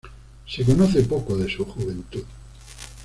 Se conoce poco de su juventud.